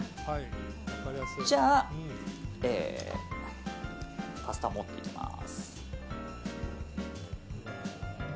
じゃあパスタを盛っていきます。